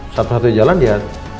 satu satu jalan dia